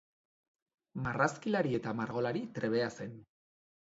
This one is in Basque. Marrazkilari eta margolari trebea zen.